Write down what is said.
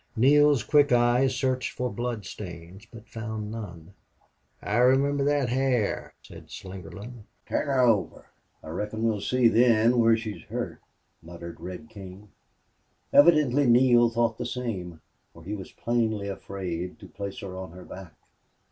Neale's quick eye searched for bloodstains, but found none. "I remember thet hair," said Slingerland. "Turn her over." "I reckon we'll see then where she's hurt," muttered Red King. Evidently Neale thought the same, for he was plainly afraid to place her on her back.